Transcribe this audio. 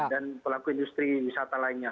dan pelaku industri wisata lainnya